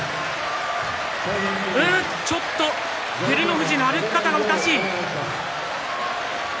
照ノ富士の歩き方がおかしい。